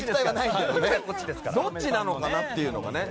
どっちなのかなっていう。